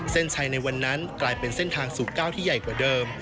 เส้นชัยในวันนั้นกลายเป็นเส้นทางสู่ก้าวที่ใหญ่กว่าเดิม